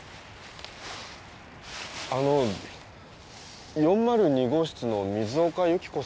あの４０２号室の水岡由紀子さんは？